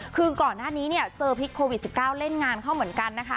คือก่อนหน้านี้เนี้ยเจอโควิดสี่เก้าเล่นงานเขาเหมือนกันนะคะ